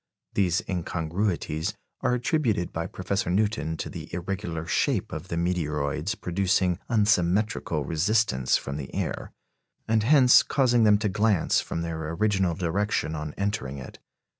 These incongruities are attributed by Professor Newton to the irregular shape of the meteoroids producing unsymmetrical resistance from the air, and hence causing them to glance from their original direction on entering it.